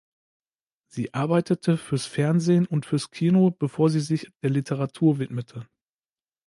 Sie arbeitete fürs Fernsehen und fürs Kino, bevor sie sich der Literatur widmete.